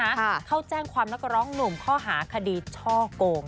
ทั้งหมดนะฮะเขาแจ้งความแล้วก็ร้องหนุ่มข้อหาคดีช่อโกง